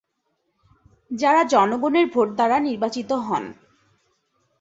যারা জনগণের ভোট দ্বারা নির্বাচিত নন।